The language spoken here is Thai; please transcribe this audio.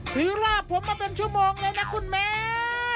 ถือราบผมมาเป็นชั่วโมงเลยนะคุณแม่